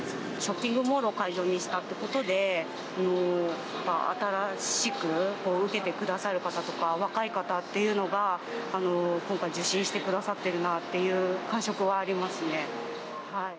ショッピングモールを会場にしたことで、新しく受けてくださる方とか、若い方っていうのが、今回受診してくださってるなって感触はありますね。